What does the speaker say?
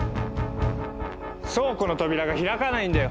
倉庫の扉が開かないんだよ！